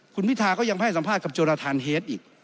คุณพิทาก็ยังไปให้สัมภาษณ์กับโจรทานเฮดอีก